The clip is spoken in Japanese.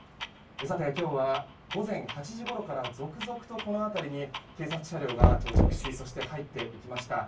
さて、今日は午前８時ごろから続々と、この辺りに警察車両が到着し入っていきました。